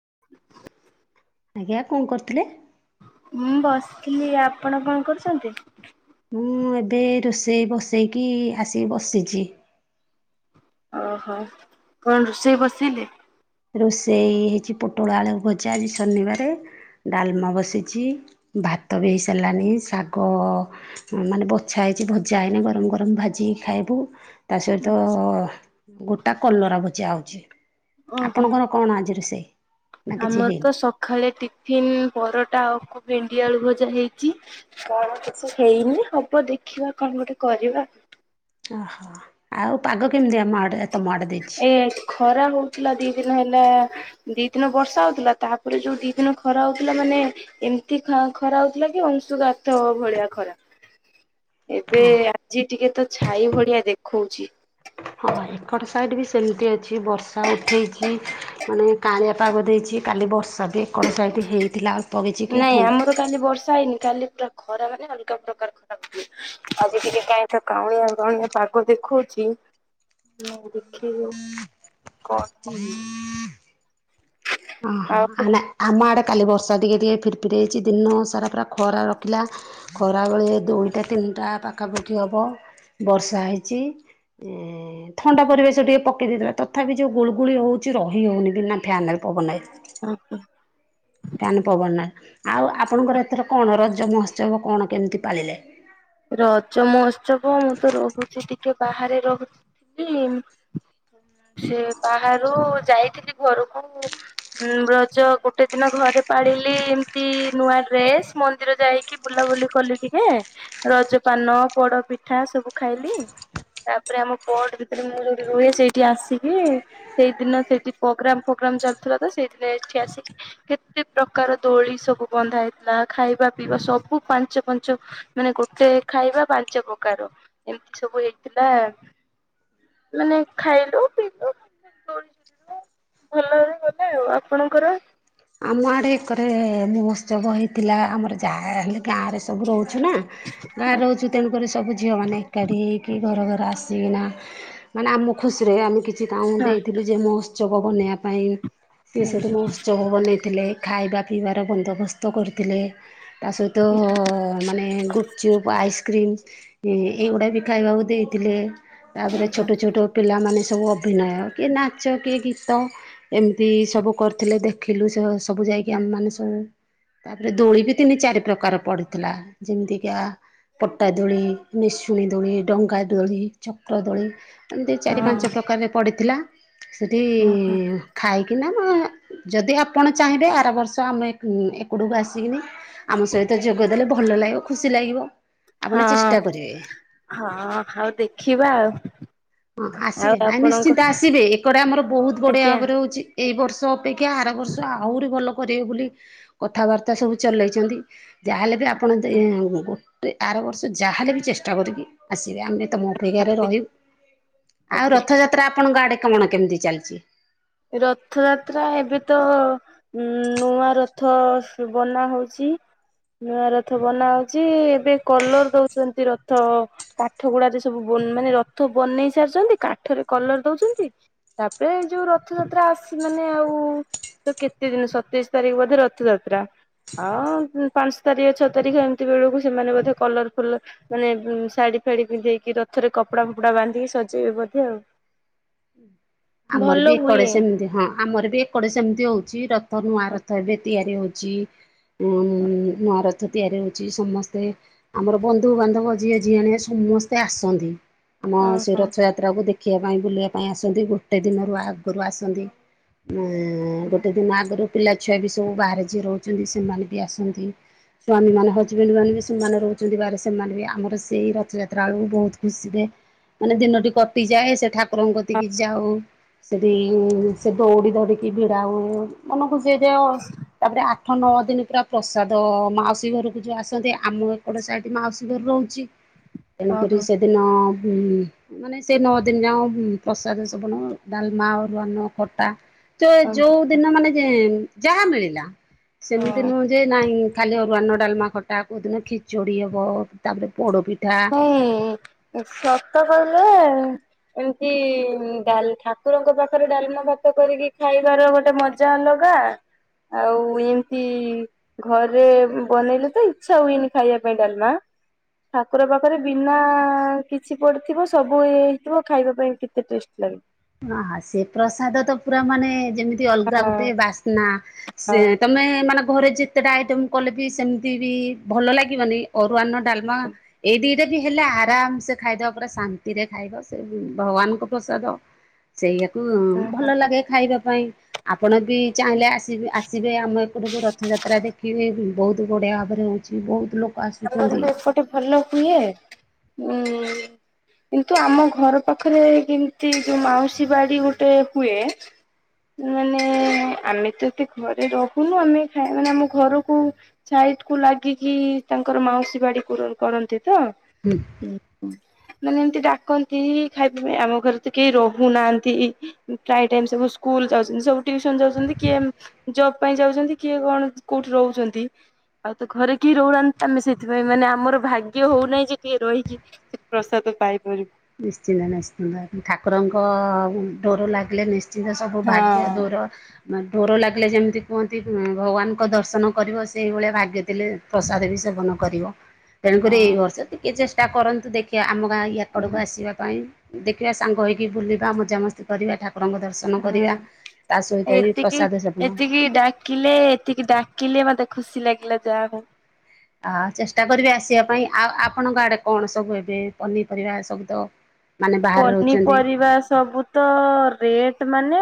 [inaudible] ଆଜ୍ଞା କଣ କରୁଥିଲେ? ମୁଁ ବସିଥିଲି ଆପଣ କଣ କରୁଛନ୍ତି? ମୁଁ ଏବେ ରୋଷେଇ ବସେଇକି ଆସି ବସିଛି। ଓ ହୋ କଣ ରୋଷେଇ ବସେଇଲେ? ରୋଷେଇ ହେଇଛି ପୋଟଳ ଆଳକୁ ଭଜା ଆଜି ଶନିବାରେ ଡାଲମ ବସିଛି ଭ ଭାତ ବି ହେଇସାରିଲାନି ଶାଗ ମାନେ ବଛା ହେଇଛି ଭଜା ହେଇନି ଗରମ ଗରମ ଭାଜି ଖାଇ ବୁ ତା ସହିତ ଗୋଟା କଲରା ଭଜା ହଉଛି। ଓହୋ। ଆପଣଙ୍କର କଣ ଆଜି ରୋଷେଇ? ନା କିଛି ଆମର ହେଇନି ତ ସକାଳେ ଟିଫିନ ପରଟା ଆଉ ଭେଣ୍ଡି ଆଳୁ ଭଜା ହେଇଛି କଣ କିଛି ହେଇନି ହବ ଦେଖିବା କଣ ଗୋଟେ କରିବା। ଓହୋ ଆଉ ପାଗ କେମିତିଆ? ଏ ଖରା ହଉଥିଲା ଦି ଦିନ ହେଲା ଦି ଦିନ ବର୍ଷା ହଉଥିଲା ତାପରେ ଯୋଉ ଦି ଦିନ ଖରା ହଉଥିଲା ମାନେ ଏମିତି ଖ-ଖରା ହଉଥିଲା ଅଂଶୁଘାତ ଭଳିଆ ଖରା। ହୁଁ [inaudible] ଏବେ ଆଜି ଟିକେ ତ ଛାଇ ଭଳିଆ ଦେଖଉଛି। ହଁ ଏପଟ ସାଇଡ ବି ସେମିତି ଅଛି ବର୍ଷା ଉଠେଇଛି ମାନେ କାଁଳିଆ ପାଗ ଦେଇଛି କାଲି ବର୍ଷା ବି ଏକଡ ସାଇଡ ହେଇଥିଲା ଅଳ୍ପ କିଛି କିଏ ଥଣ୍ଡା ଖରାମାନେ ଅଲଗା ପ୍ରକାର ଖରା ଆଜି ଟିକେ କାଁଳିଆ କାଁଳିଆ ପାଗ ଦେଖଉଛି। [unintelligible] ହଁ ଦେଖିବୁ କଣ ହଉଛି ହୁଁ ହଁ ଆଉ ହଁ ଆମ ଆଡେ କାଲି ବର୍ଷା ଟିକେ ଟିକେ ଫିରି ଫିରି ହେଇଛି ଦିନ ସାରା ପୁରା ଖରା ରଖିଲା ଖରା ବଳେ ଦୁଇଟା ତିନି ଟା ପାଖାପାଖି ହବ ବର୍ଷା ହେଇଛି ଏ ଥଣ୍ଡା ପରିବେଶ ଟିକେ ପକେଇ ଦେଇଥିଲା ତଥାପି ଯୋଉ ଗୁଳୁଗୁଳି ହଉଛି ରହି ହଉନି ବିନା ଫ୍ୟାନରେ ପବନରେ। କରତ [inaudible] ଫ୍ୟାନ ପବନରେ ଆଉ ଆପଣଙ୍କର ଏଥର କଣ ରଜ ମହୋତ୍ସବ କଣ କେମିତି ପାଳିଲେ? ରଜ ମହୋତ୍ସବ କଣ ମୁଁ ତ ରହୁଛି ଟିକେ ବାହାରେ ରହୁଥିଲି ସେ ବାହାରୁ ଯାଇଥିଲି ଘରକୁ ରଜ ଗୋଟେ ଦିନ ଘରେ ପାଳିଲି ଏମତି ନୂଆ ଡ୍ରେସ୍ ମନ୍ଦିର ଯାଇକି ବୁଲାବୁଲି କଲି ଟିକେ ରଜପାନ ପୋଡ ପିଠା ସବୁ ଖାଇଲି ତାପରେ ଆମ କୋଟ ଭିତରେ ମୁଁ ଯୋଉଠି ରୁହେ ସେଇଠି ଆସିକି ସେଇଦିନ ସେଇଠି ପ୍ରୋଗ୍ରାମ ଫୋଗ୍ରାମ ର ଚାଲଥିଲା ତ ସେଇଥିିନ ଏଠି ଆସିକି କେତେ ପ୍ରକାର ଦୋଳି ସବୁ ବନ୍ଧା ହେଇଥିଲା ଖାଇବା ପିଇ ସବୁ ପାଞ୍ଚ ପାଞ୍ଚ ମାନେ ଗୋ ଏ ଖାଇବା ପାଞ୍ଚ ପ୍ରକାର ଏମିତି ସବୁ ହେଇଥିଲା ମାନେ ଖାଇଲୁ ପିଇଲୁ ଭଲରେ ଗଲେ ଆଉ ଆପଣଙ୍କର। ଆମ ଆଡେ ଏକରେ ମହୋତ୍ସବ ହେଇଥିଲା ଆମର ଯାହା ହେଲେ ଗାଁରେ ସବୁ ରହୁଛୁ ନା ହଁ ଗାଁରେ ରହୁଛୁ ତେଣୁକରି ସବୁ ଝିଅମାନେ ଏକାଠି ହୋଇକି ଘରେ ଘରେ ଆସି ସିନା ମାନେ ଆମ ଖୁସିରେ ଆମେ କିଛି କତାଙ୍କୁ ଦେଇଥିଲୁ ଯେ ମହୋତ୍ସବ ବନେଇବା ପାଇଁ ସେ ସେଏଠୁ ଓହୋ ମହୋଉତ୍ସବ ବନେଇ ଖାଇବା ପିଇବାର ବନ୍ଦୋବସ୍ତ କରିଥିଲେ ତା ସହିତ ମାନେ ଗୁପଚୁପ୍ ଆଇସକ୍ରିମ୍ ଏଇଗୁଡା ବି ଖାଇବାକୁ ଦେଇଥିଲେ ତାପରେ ଛୋଟ ଛୋଟ ପିଲାମାନେ ସବୁ ଅଭିନୟ କିଏ ନାଚ କିଏ ଗୀତ ଏମିତି ସବୁ କରିଥିଲେ ଦେଖିଲୁ। ତ ସବୁ ଯାଇକି ଆମେମାନେ ସବୁ ତାପରେ ଦୋଳି ବି ତିନି ଚାରି ପ୍ରକାର ପଡିଥିଲା ଯେମିତିକା ପଟା ଦୋଳି ନିସୁଣୀ ଦୋଳି ଡଙ୍ଗା ଦୋଳି ଚକ୍ର ଦୋଳି ଏମିତି ହଁ ଚାରି ପାଞ୍ଚ ପ୍ରକାରରେ ପଡ଼ିଥିଲା ସେଇଠି ଓହୋ ଖାଇକିନା ଆ ଯଦି ଆ ଆପଣ ଚାହିଁବେ ଆର ବର୍ଷ ଆମ ଏକୁଡକୁ ଆସିକିନି ଆମ ସହିତ ଯୋଗ ଦେଲେ ଭଲ ଲାଗିବ ଖୁସି ଲ ଲାଗିବ। ଆପଣ ହଁ ଚେଷ୍ଟା କରିବେ। ହଁ ଆଉ ଦେଖିବା ଆଉ। ହଁ ଆଉ ଆସିବେ ନାଇଁ ଆପଣଙ୍କ ନିଶ୍ଚିନ୍ତ ଆସିବେ ଏକଡ ଆମର ବହୁତ ବଢିଆ ଆଜ୍ଞା ଭାବରେ ହଉଚି। ଏଇ ବର୍ଷ ଅପେକ୍ଷା ଆର ବର୍ଷ ଆହୁରି ଭଲ କରିବେ ବୋଲି କଥାବାର୍ତ୍ତା ସବୁ ଚଲେଇଚନ୍ତି। ଯାହାହେଲେ ବି ଆପଣ ଗୋଟେ ଏ ଆର ବର୍ଷ ଯାହାହେଲେ ବି ଚେଷ୍ଟା କରିକି ଆସିବେ ଆମେ ତମଁ ଅପେକ୍ଷାରେ ରହିବୁ। ଆଉ ଆଜ୍ଞା ରଥଯାତ୍ରା ଆପଣଙ୍କ ଆଡେ କଣ କେମିତି ଚାଲିଚି? ରଥଯାତ୍ରା ଏବେ ତ ଉ ନୂଆ ରଥ ବନା ହଉଚି। [inaudible] ନୂଆ ରଥ ବନା ହଉଚି, ଏବେ କଲର ଦଉଚନ୍ତି ରଥ କାଠ ଗୁଡାରେ ସବୁ ମାନେ ରଥ ବନେଇ ସାରିଚନ୍ତି, କାଠରେ କଲର ଦଉଚନ୍ତି, ତାପରେ ଏଇ ଯୋଉ ରଥଯାତ୍ରା ଆସି ମାନେ ଆଉ ତ କେତେ ଦିନ ସତେଇଶ ତାରିଖ ବୋଧେ ରଥଯାତ୍ରା। ହଁ ପାଞ୍ଚ ତାରିଖ ଛଅ ତାରିଖ ଏମିତି ବେଳକୁ ସେମାନେ ବୋଧେ କଲରଫୁଲ ମାନେ ଶାଢୀ ଫାଡି ପିନ୍ଧେଇକି ରଥରେ କପଡା ଫପଡା ବାନ୍ଧିକି ସଜେଇବେ ବଧେ ଆଉ। ଆମର ଭଲ ବି ହୁଏ ଏକଡେ ସେମିତି ହଁ ଆମର ବି ଏକଡେ ସେମିତି ହଉଚି। ର ଥ ନୂଆ ରଥ ଏବେ ତିଆରି ହଉଚି। ଉଁ ନୂଆରଥ ତିଆରି ହଉଚି, ସମସ୍ତେ ଆମର ବନ୍ଧୁବାନ୍ଧବ ଯିଏ ଯିଏ ଆଣେ ସମ ମସ୍ତେ ଆସନ୍ତି, ଆମ ସେ ଓହୋ ରଥଯାତ୍ରାକୁ ଦେଖିବା ପାଇଁ ବୁଲିବା ପାଇଁ ଆସନ୍ତି ଗୋ ଟେ ଦିନରୁ ଆଗରୁ ଆସନ୍ତି, ଏ ଗୋଟେ ଦିନ ଆଗରୁ ପିଲାଛୁଆ ବି ସବୁ ବାହାରେ ଯିଏ ରହୁଚନ୍ତି ସେମାନେ ବି ଆସନ୍ତି। ସ୍ଵାମୀ ମାନେ ହଜବେଣ୍ଡ ମାନେ ବି ସେମାନେ ରହୁଚନ୍ତି ବାହାରେ ସେମାନେ ବି ଆମର ସେଇ ରଥଯାତ୍ରା ବଳକୁ ବହୁତ ଖୁସିରେ ମାନେ ଦିନଟି କଟିଯାଏ ସେ ଠାକୁର କତିକି ଯାଉ ସେଠି ସେ ଦୌଡି ଧରିକି ଭିଡା ହୁଏ ମନକୁ ସେ ଯା ତାପରେ ଆଠ ନଅ ଦିନ ପୁରା ପ୍ରସାଦ ମାଉସୀ ଘରକୁ ଯଉଁ ଆସନ୍ତି, ଆମ ଏକଟେ ସାଇଡ଼ ମାଉସୀ ଘର ରହୁଚି। ତେଣୁକରି ଓହୋ ସେଦିନ ହୁଁ ମାନେ ସେ ନଅ ଦିନ ଯାଦ ପ୍ରସାଦ ସେବନ ଡାଲମା ଆରୁଆନ୍ନ ଖଟା ତ ଓହୋ। ଯୋଉ ଦିନ ମାନେ ଯେ ଯାହା ମିଳିଲା ସେମିତି ହଁ ନୁହଁ ଯେ ନାଇଁ ଖାଲି ରୁଆର୍ନ ଡାଲମା ଖଟା କଉଦିନ ଖିଚୋଡ଼ି ହବ ତାପରେ ପୋଡପିଠା ହୁଁ ସତ କହିଲେ [inaudible] ଏମିତି ଡାଲ ଠାକୁରଙ୍କ ପାଖରେ ଡାଲମା ଭାତ କରିକି ଖାଇବାର ଗୋଟେ ମଜା ଅଲଗା। [inaudible] ଆଉ ଏମିତି ଘରେ ବନେଇଲେ ତ ଇଚ୍ଛା ହୁଏନି ଖାଇବା ପାଇଁ ଡାଲମା। ସତ ଠାକୁର ପାଖରେ ବିନା କିଛି ପଡିଥିବ ସବୁ ଇଏ ହେଇଥିବ ଖାଇବା ପାଇଁ କେତେ ଟେଷ୍ଟ ଲାଗିବ। ଅହ ସେ ପ୍ରସାଦ ତ ପୁରା ମାନେ ଯେମିତି ଅଲଗା ହଁ ଗୋଟେ ବାସ୍ନା ସେ ତମେ ମାନେ ଘରେ ଯେତେଟା ଆଇଟମ କଲେ ବି ସେମିତି ବି ଭଲ ଲାଗିବନି ଅରୁଆନ ଡାଲମା ଏଇ ଦିଟା ରେ ବି ହେଲେ ଆରାମ ସେ ଖାଇଦବା ପୁରା ଶାନ୍ତିରେ ଖାଇବ ସେ ଭଗବାନଙ୍କ ପ୍ରସାଦ। ସେଇଆକୁ ହଁ ଭଲ ଲାଗେ ଖାଇବା ପାଇଁ ଆପଣ ବି ଚାହିଁଲେ ଆସି ଆସିବେ ଆମ ଏପଡକୁ ରଥଯାତ୍ରା ଦେଖିବେ ବହୁତ ବଢିଆ ଭାବରେ ହଉଚି, ବହୁତ ଲୋକ ଆମର ଆସୁଛନ୍ତି। ବି ଏପଟେ ଭଲ ହୁଏ ଉଁ କିନ୍ତୁ, ଆମ ଘର ପାଖରେ ଯେମତି ଯୋଉ ମାଉସୀ ବାଡି ଗୋଟେ ହୁଏ ମାନେ ଆମେ ତ ଏତେ ଘରେ ରହୁନୁ, ଆମେ ଖାଇ ମାନେ ଆମ ଘରକୁ ଖାଇ କୁ ଲାଗିକି ତାଙ୍କର ମାଉସୀ ବାଡି କୁର କରନ୍ତି ତ। ହୁଁ ଉଁ ହୁଁ। ମାନେ ଏମିତି ଡାକନ୍ତି ଖାଇବା ପାଇଁ, ଆମ ଘରେ ତ କେହି ରହୁନାହାନ୍ତି, ପ୍ରାୟ ଟାଇମ ସବୁ ସ୍କୁଲ ଯାଉଚନ୍ତି, ସବୁ ଟିଉସନ୍ ଯାଉଚନ୍ତି କିଏ ଜବ ପାଇଁ ଯାଉଚନ୍ତି, କିଏ କଣ କୋଉଠି ରହୁଚନ୍ତି। ଆଉ ତ ଘରେ କି ରହୁନାହା ଆମେ ସେଥିପାଇଁ, ମାନେ ଆମର ଭାଗ୍ୟ ହଉନାହିଁ ଯେ ଟିକେ ରହିକି ସେ ପ୍ରସାଦ ପାଇପାରିବୁ। ନିଶ୍ଚିନ୍ତ ନିଶ୍ଚିନ୍ତ ଠାକୁରଙ୍କ ଡୋର ଲାଗିଲେ ନିଶ୍ଚନ୍ ନ୍ତ, ସବୁ ଭାଗ୍ୟ ହଁ ଦୂର ନେ ଡୋର ଲାଗିଲେ ଯେମିତି କୁହନ୍ତି, ଭଗବାନଙ୍କ ଦର୍ଶନ କରିବ। ସେଇଭଳିଆ ଭାଗ୍ୟ ଥିଲେ ପ୍ରସାଦ ବି ସେ ସେବନ କରିବ। ହଁ। ତେଣୁକରି ଏଇ ବର୍ଷ ଟିକେ ଚେଷ୍ଟା କରନ୍ତୁ ଦେଖିବା। ଆମ ଗାଁ ଇଆ କଡକୁ ଆସିବା ପାଇଁ ଦେଖିବା ସାଙ୍ଗ ହେଇକି ବୁଲିବା ମଜାମସ୍ତି କରିବା। ଠାକୁ ହଁ ବି ଏତିକି ପ୍ରସାଦ ସେବନ। ଏତିକି ଡାକିଲେ ଏତିକି ଡା କିଲେ ମତେ ଖୁସି ଲାଗିଲା। ଯାହା ପାଇଁ ଆ ଚେଷ୍ଟା କରିବି ଆସିବା ପାଇଁ। ଆଉ ଆପଣଙ୍କ ଆଡେ କଣ ସବୁ ଏବେ ପନିପରିବା ସବୁତ ପନିପରିବା ସବୁ ତ ରେଟ ସେମାନେ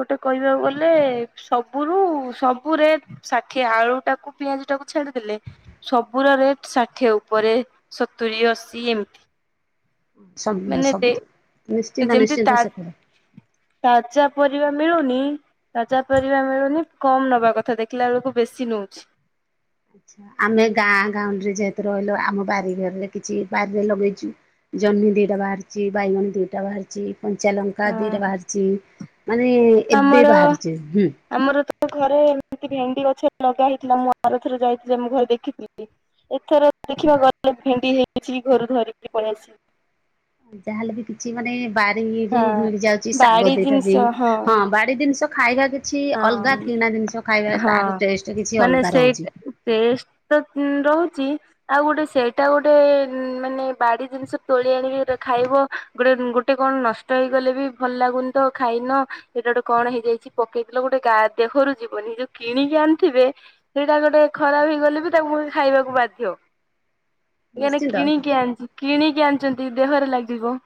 ଗୋଟେ କହିବାକୁ ଗଲେ। ସବୁରୁ ସବୁ ରେ ଷାଠିଏ ଆଳୁ ଟାକୁ ପିଆଜ ଟାକୁ ଛାଡିଦେଲେ। ସବୁରା ରେଟ ଷାଠିଏ ଉପରେ ସତୁରି ଅଶୀ ଏମତି। ସବୁ ମାନେ ଯେ ସବୁ ନିଶ୍ଚିନ୍ତ ଯେମିତି ନିଶ୍ଚିନ୍ତ ତା ସେପଟ ତାଜା ପରିବା ମିଳୁନି ତାଜା ପରିବା ମିଳୁନି। କମ ନବା କଥା ଦେଖିଲା ବେଳକୁ ବେଶୀ ନଉଛି ଆଛା ଆମେ ଗାଁ ଗାଁଉଲି ରେ ଯେହେତୁ ରହିଲୁ, ଆମ ବାରିଘରରେ କିଛି ବାରିରେ ଲଗେଇଛୁ ଜହ୍ନି ଦିଟା ବାହାରିଛି ଭାଇଗଣୀ ଦିଟା ବାହାରିଛି କଞ୍ଚାଲଙ୍କା ଦିଟା ଓହୋ। ବାହାରିଛି, ମାନେ ଏବେ ବାହାରିଛି ହୁଁ। ମୋ ଘରେ ଏମିତି ଭେଣ୍ଡି ଗଛ ଲଗା ହେଇଥିଲା। ମୁଁ ଆର ଥରେ ଯାଇଥିଲି ମୁଁ ଘରେ ଦେଖିଥିଲି ଏଥର ଦେଖିବାକୁ ଗଲେ ଭେଣ୍ଡି ହେଇଛି ଘରୁ ଧରିକି ପଳେଇଆସି ଯାହାହେଲେ ବି କିଛି ମାନେ ବାରିରୁୁ ହଁ ମିଳି ଯାଉଛି। ଶାଗ ବାଡି ଦିଟା ଜିନିଷ ବି ହଁ ବାଡି ଜିନିଷ ଖାଇବା ବି ହଁ ହଁ ଟେଷ୍ଟ କିଛି ମାନେ ଅଲଗା ସେଇ ରହୁଛି ଟେଷ୍ଟ ତ ରହୁ ଛି, ଆଉ ଗୋଟେ ସେଇଟା ଗୋଟେ ମାନେ ବାଡି ଜିନିଷ ତୋଳି ଆଣି ବି ଖାଇବ ଗୋଟେ ହୁଁ, ଗୋଟେ କଣ ନଷ୍ଟ ହେଇଗଲେ ବି ଭଲ ଲାଗୁନି ତ ଖାଇନ। ଏଟା ଗୋଟେ କଣ ହେଇଯାଇଛି ପକେଇ ଗୋଟେ ଗା ଦେହରୁ ଯିବନି। ଯୋଉ କିଣିକି ଆଣିଥିବେ ସେଇଟା ଗୋଟେ ଖରାପ ହେଇଗଲେ ବି ତାକୁ ଖା ଇବାକୁ ବାଧ୍ୟ। ହ [inaudible] ଏନେ କିଣିକି ଆଣିଛି କିଣିକି ଆଣିଛନ୍ତି ଦେହରେ ଲାଗିବ।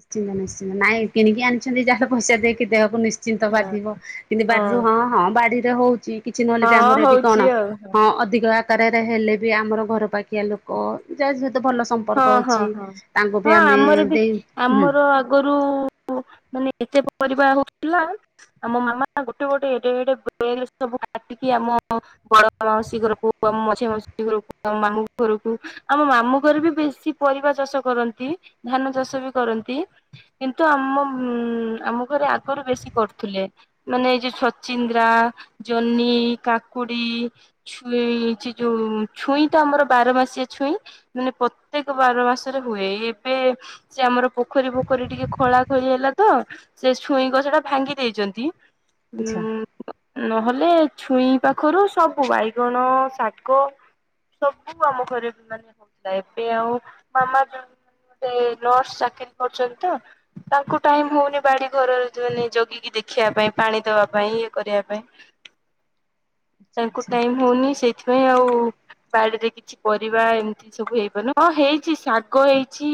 ନିଶ୍ଚିନ୍ତ ନିଶ୍ଚିନ୍ତ, ନାଇଁ କିଣିକି ଆଣିଛନ୍ତି ଯାହାଲେ ପଇସା ଦେଇକି ଦେହକୁ ନିଶ୍ ନିଶ୍ଚିନ୍ତ ହଁ ବାଧିବ। କିନ୍ତୁ ବାରିରୁ ହଁ ହଁ ବାଡିରେ ହଉଛି କିଛି ନହେଲେ ହଁ ବି ଆମର ଏଠି ହଉଛି କଣ ଆଉ ହଁ ଅଧିକ କାର ହେଲେ ବି, ଆମର ଘର ପାଖିଆ ଲୋକ ଯା ଯେ ତେ ଭଲ ହଁ ସମ୍ପର୍କ ହଁ ଅଛି! ହଁ ତାଙ୍କୁ ବି ହଁ ଆମେ ଆମର ବି ଦେଇ ହୁଁ ଆମର ଆଗରୁ ମାନେ ଏତେ ପରିବା ହଉଥିଲା। ଆମ ମାମା ଗୋଟେ ଗୋଟେ ଏଡେ ଏଡେ ବେଗ ସବୁ କାଟିକି ଆମ ଅ ବଡ ମାଉସୀ ଘରକୁ ମଝିଆ ମାଉସୀ ଘରକୁ। ଆ ମାମୁଁ ଘରକୁ ଆମ ମାମୁଁ ଘରେ ବି ବେଶୀ ପରିବା ଚାଷ କରନ୍ତି, ଧାନ ଚାଷ ବି କରନ୍ତି କିନ୍ତୁ ଆମ ଉ ଆମ ଘରେ ଆଗରୁ ବେଶୀ କରୁଥିଲେ। ମାନେ ଏଇ ଯୋଉ ସଚିନ୍ଦ୍ରା ଜନି କାକୁ କୁଡି ଛୁଇଁ ଛି ଯୋଉ ଛୁଇଁ ଟା ଆମର ବାରମାସିଆ ଛୁଇଁ ମାନେ ପ୍ରତ୍ୟେକ ବାର ମାସରେ ହୁଏ। ଏବେ ସେ ଆମର ପୋଖରୀ ପୋଖରୀ ଟିକେ ଖୋଳା ଖୋଳି ହେଲା ତ ସେ ଛୁଇଁ ଗଛ ଟା ଭାଙ୍ଗି ଦେଇଛନ୍ତି। ଉ ଆଚ୍ଛା ନ ହଲ ବଲେ ଛୁଇଁ ପାଖରୁ ସବୁ ବାଇଗଣ ଶାଗ ସବୁ ଆମ ଘରେ ବି ମାନେ ହଉଥିଲା ଏବେ ଆଉ ମାମାଣ ଗୋଟେ ନର୍ସ ଚାକିରୀ କରୁଛନ୍ତି ତ ତାଙ୍କୁ ଟାଇମ ହଉନି ବାଡି ଘରାନେ ଜଗିକି ଦେଖିବା ପାଇଁ ପାଣି ଦବା ପାଇଁ ଇଏ କରିବା ପାଇଁ ହ ତାଙ୍କୁ ଟାଇମ ହଉନି ସେଇଥିପାଇଁ ଆଉ ବାଡିରେ କିଛି ପରିବା ଏମିତି ସବୁ ହେଇ ହଁ ହେଇଛି ଶାଗ ହେଇଛି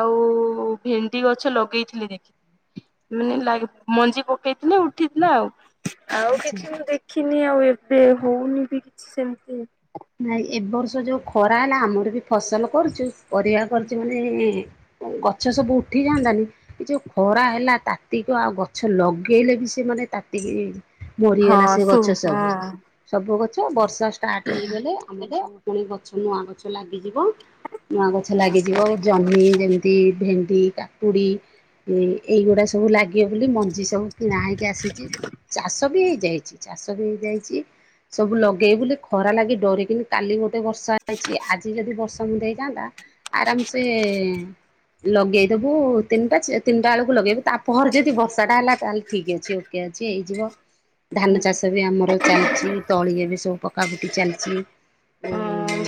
ଆଉ ଭେଣ୍ଡି ଗଛ ଲଗେଇଥିଲି ଦେଖି ମାନେ ଲ ମଞ୍ଜି ପକେଇଥିଲେ ଉଠିଥିଲା ଆଉ। ଆଉ ଆଚ୍ଛା କିଛି ମୁଁ ଦେଖିନି ଆଉ ଏବେ ହଉନି ବି କିଛି ସେମିତି ନାଇଁ ଏବ ବର୍ଷ ଯୋଉ ଖରା ହେଲା ଆମର ବି ଫସଲ କରୁଛୁ ପରିବା କରୁଛୁ ମାନେ ଗଛ ସବୁ ଉଠି ଯାଆନ୍ତାନି ଏ ଯୋଉ ଖରା ହେଲା ତାତିକ ଆଉ ଗଛ ଲଗେଇଲେ ବି ସେମାନେ ତାତିିକି ହଁ ମରିଗଲା ସେ ସୁ ଗଛ ସବୁ ସବୁ ଗଛ ବର୍ଷା ଷ୍ଟାର୍ଟ ହେଇଗଲେ ଆମର ସବୁ ପୁଣି ଗଛ ନୂଆ ଗଛ ଲାଗ ନୂଆ ଗଛ ଲାଗିଯିବ ଜହ୍ନି ଯେମିତି ଭେଣ୍ କାପୁଡି ଏଇଗୁଡା ସବୁ ଲାଗିବ ବୋଲି ମଞ୍ଜି ସବୁ। କି ନା ହେକି ଆସିଛି ଚାଷ ବି ହେଇଯାଇଛି। ହେଇଯାଇଛି ସବୁ ଲଗେଇ ବୁ ଖରା ଲାଗେ ଡରିକିନି କାଲି ଗୋଟେ ବର୍ଷା ହେଇଛି ଆଜି ଯଦି ବର୍ଷା ମୁ ହେଇଯାଆନ୍ତା ଆରାମସେ ଲଗେଇଦବୁ ତିନିଟା ତିନିଟା ବେଳକୁ ଲଗେଇବୁ ତାପରେ ଯଦି ବର୍ଷାଟା ହେଲା ତାହେଲେ ଠିକ୍ ଅଛି ଓକେ। ହେଇଯିବ ଧାନ ଚାଷ ବି ଆମର ଚାଲିଛି ତଳି ଏ ବି ସବୁ ପକାପୁକ ଚାଲିଛି। ଜି। ହଁ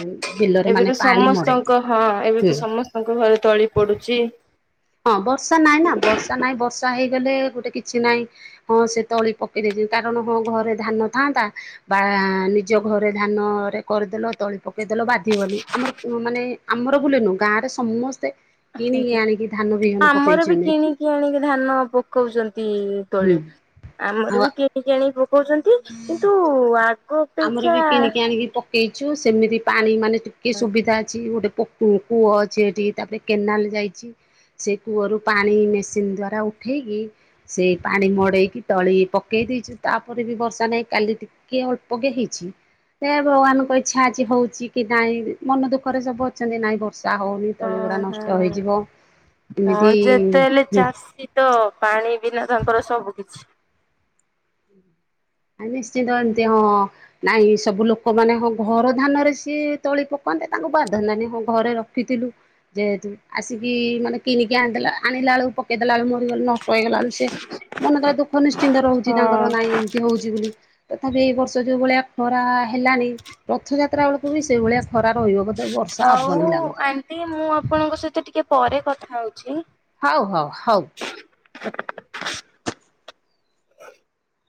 ଏବେ ତ ମଡ଼େଇକି ସମସ୍ତଙ୍କ ହଁ ଏବେ ହୁଁ ତ ସମସ୍ତଙ୍କ ଘରେ ତଳି ପଡୁଛି। ହ। ହଁ ବର୍ଷା ନାଇଁ ନା ବର୍ଷା ନାଇଁ ବର୍ଷା। ଷା ହେଇଗଲେ ଗୋଟେ କିଛି ନହିଁ ହଁ ସେ ତଳି ପକେଇ ଦେଇ କାରଣ ହଁ ଘରେ ଧାନ ଥାନ୍ତା। ବା ନିଜ ଘରେ ଧାନରେ କରିଦେଲ ତଳି ପକେଇଦେଲ ବାଧିବନି ଆମର ମାନେ ଆମ ଆମର ବୁଲନୁ ଗାଁରେ ସମସ୍ତେ କିଣିକି ଆଜ୍ଞା। ଆଣି ଆମର ବି କିଣିକି ଆଣିକି ଧାନ ପକଉଛନ୍ତି ତୋଳି। ହୁଁ ଆମର ଆଉ ବି କିଣିକି ଆଣିି ପକଉଛନ୍ତି କିନ୍ତୁ ଆଗ ଆମର ଅପେକ୍ଷା ବି କିଣିକି ଆଣିକି ପକେଇଛୁ ସେମିତି ପାଣି ମାନେ ଟିକେ ସୁବିଧା ଅଛି ଗୋଟେ ପ କୂଅ ଅଛିଠି ତାପରେ କେନାଲ ଯାଇଛି। ସେ କୂଅରୁ ପାଣି ମେସିନ ଦ୍ଵାରା ଉଠେଇକି ସେ ପାଣି ମଡେଇକି ତଳି ପକେଇ। ଦେଇଛୁ ତାପରେ ବି ବର୍ଷା ନାହିଁ କାଲି ଟିକେ ଅଳ୍ପକେ ହେଇଛି। ସେ ଭଗବାନଙ୍କ ଇଚ୍ଛା ଅଛି ହଉଛି କି ନାଇଁ ମନ ଦୁଃଖରେ ସବୁ ଅଛନ୍ତି ନାଇଁ ବର୍ଷା ହଉନି ହଁ ତଳିଗୁଡା ହଁ। ନଷ୍ଟ ହେଇଯିବ ହଁ ଏମିତି ଯେତେ ହେଲେ ଚାଷୀ ତ ପାଣି ବିନା ତାଙ୍କର ସବୁ କିଛି। ଆ ନିଶ୍ଚିନ୍ତ ଏମତି ହଁ ନାଇଁ ସବୁ ଲୋକ ମାନେ ହଁ ଘର ଧାନରେ ସିଏ ତଳି ପକା ମତେ ତାଙ୍କୁ ବାଧନ୍ତାନହି ହଁ ଘରେ ରଖିଥିଲୁ ଯେହେତୁ ଆସିକି ମାନେ କିଣିକି ଆଣିଦେ ଆଣିଲା ବଳ ପକେଇଦେଲା ବେ ମରିଗଲେ ଇଗଲାଣି ସେ ମନ ତ ଦୁଃଖ ନିଶ୍ଚିନ୍ତ ରହୁଛି ତାଙ୍କର ହଁ। ନାଇଁ। ତଥାପି ଏ ବର୍ଷ ଯୋଉ ଭଳିଆ ଖରା ହେଲ ରଥଯାତ୍ରା ବେଳକୁ ସେଭଳିଆ ଖରା ରହିବ ବୋଧେ ବର୍ଷା ହବନି ହଉ ଲାଗୁଛି ଆଣ୍ଟି ମୁଁ ଆପଣଙ୍କ ସହିତ ଟିକେ ପରେ କଥା ହଉଛି। ହଉ ହଉ ହଉ ଓକେ ହ